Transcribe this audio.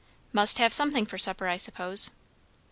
"Must have something for supper, I suppose."